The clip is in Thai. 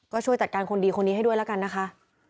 ก็ช่วยจัดการคนดีคนนี้ให้ด้วยแล้วกันนะคะ